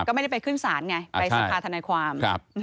ก็ไม่ได้ไปขึ้นศาลไงไปสภาธนายความ